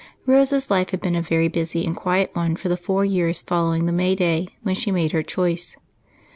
Rose's life had been a very busy and quiet one for the four years following the May day when she made her choice.